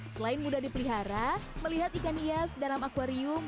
selain mudah dipelihara melihat ikan hias dalam akwarium